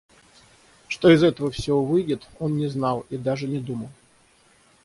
Что из этого всего выйдет, он не знал и даже не думал.